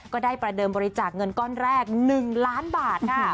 ก็ได้ประเดิมบริจาคเงินก้อนแรก๑ล้านบาทค่ะ